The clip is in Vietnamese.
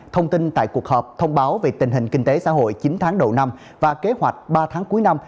thông tin tại cuộc họp thông báo về tình hình kinh tế xã hội chín tháng đầu năm và kế hoạch ba tháng cuối năm